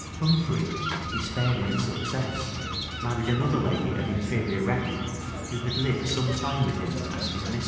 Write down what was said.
Humphrey, despairing of success, married another lady of inferior rank, who had lived some time with him as his mistress.